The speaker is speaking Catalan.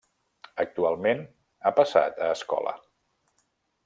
Actualment ha passat a escola.